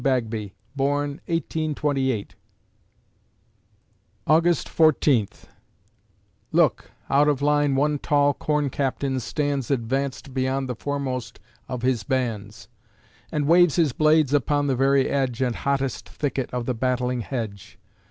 Bagby born, 1828_ August Fourteenth Look, out of line one tall corn captain stands Advanced beyond the foremost of his bands, And waves his blades upon the very edge And hottest thicket of the battling hedge.